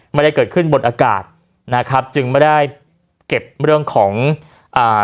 ไม่ได้เกิดขึ้นบนอากาศนะครับจึงไม่ได้เก็บเรื่องของอ่า